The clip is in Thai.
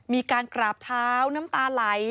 มีการกราบเท้าน้ำตาไหล